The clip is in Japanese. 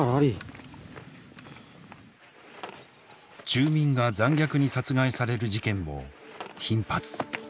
住民が残虐に殺害される事件も頻発。